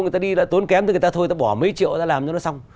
người ta đi tốn kém từ người ta thôi bỏ mấy triệu ra làm cho nó xong